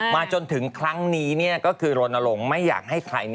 จนถึงครั้งนี้ก็คือโรนลงไม่อยากให้ใคร